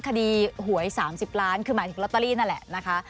คดีหวย๓๐ล้านคือหมายถึงลอตเตอรี่นั่นแหละนะคะ